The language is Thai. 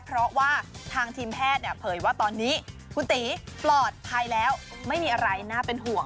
เพราะว่าทางทีมแพทย์เนี่ยเผยว่าตอนนี้คุณตีปลอดภัยแล้วไม่มีอะไรน่าเป็นห่วง